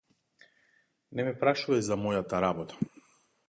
Не ме прашувај за мојата работа.